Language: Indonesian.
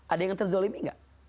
ada yang terzolimi gak